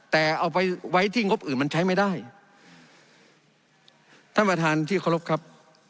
ท่านประธานที่เคารพครับ